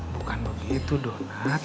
bukan begitu donat